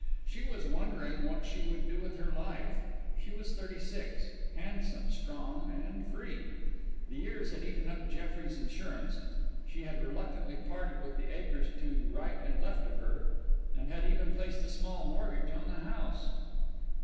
She was wondering what she would do with her life. She was thirty six handsome, strong, and free. The years had eaten up Jeffrey's insurance; she had reluctantly parted with the acres to right and left of her, and had even placed a small mortgage on the house.